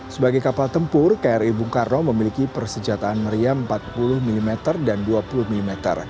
sebagai kapal tempur kri bung karno memiliki persenjataan meriam empat puluh mm dan dua puluh mm